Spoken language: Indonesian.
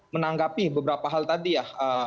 menanggapi beberapa hal tadi ya